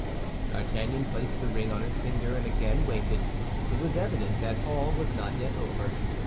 D'Artagnan placed the ring on his finger, and again waited; it was evident that all was not yet over.